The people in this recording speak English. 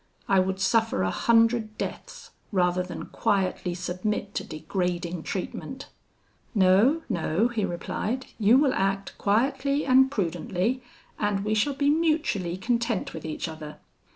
I would suffer a hundred deaths rather than quietly submit to degrading treatment.' 'No, no,' he replied, 'you will act quietly and prudently, and we shall be mutually content with each other.'